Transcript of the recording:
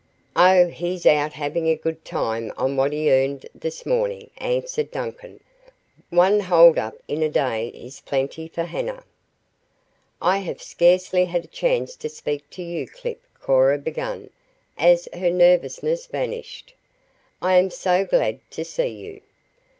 "Oh, he's out having a good time on what he earned this morning," answered Duncan. "One hold up in a day is plenty for Hanna." "I have scarcely had a chance to speak to you, Clip," Cora began, as her nervousness vanished. "I am so glad to see you."